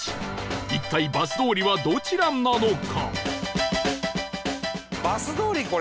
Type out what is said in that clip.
一体バス通りはどちらなのか？